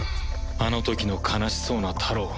あの時の悲しそうなタロウ。